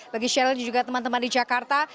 bagi shell dan juga teman teman di jakarta